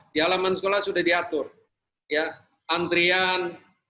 di alaman sekolah sudah diatur antrian